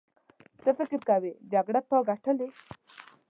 څه فکر کوې جګړه تا ګټلې.